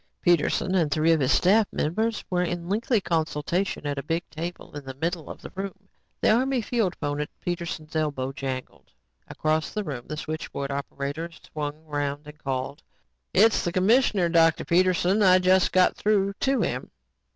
Peterson and three of his staff members were in lengthy consultation at a big table in the middle of the room. The Army field phone at Peterson's elbow jangled. Across the room, the switchboard operator swung around and called: "It's the commissioner, Dr. Peterson. I just got through to him."